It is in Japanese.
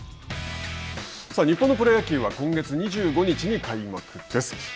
日本のプロ野球は今月２５日に開幕です。